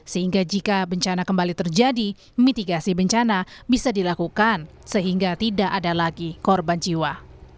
sehingga jika bencana kembali terjadi mitigasi bencana bisa dilakukan sehingga tidak ada lagi korban jiwa